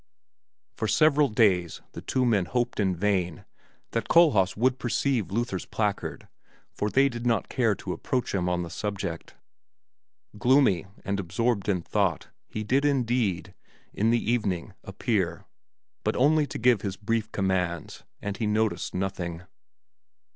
For several days the two men hoped in vain that Kohlhaas would perceive Luther's placard, for they did not care to approach him on the subject. Gloomy and absorbed in thought, he did indeed, in the evening, appear, but only to give his brief commands, and he noticed nothing.